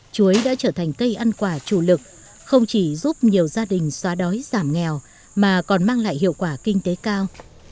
chuối đã trở thành cây ăn quả chủ lực không chỉ giúp nhiều gia đình xóa đói giảm nghèo mà còn mang lại hiệu quả kinh tế cao